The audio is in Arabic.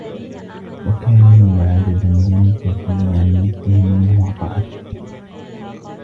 وَكَانُوا عَدَدًا يَنْتَفِي عَنْ مِثْلِهِمْ الْمُوَاطَأَةُ